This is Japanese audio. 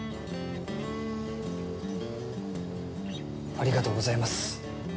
ありがとうございます。